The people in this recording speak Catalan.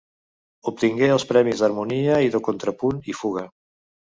Obtingué els Premis d'Harmonia i de Contrapunt i Fuga.